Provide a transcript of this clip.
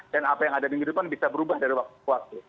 dan apa yang ada minggu depan bisa berubah dari waktu ke waktu